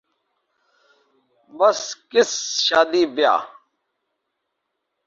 بس کس شادی بیاہ